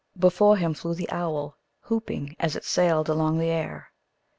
Before him flew the owl, whooping as it sailed along the air.